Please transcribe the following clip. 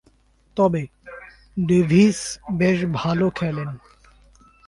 তবে, ডেভিস বেশ ভালো খেলেন।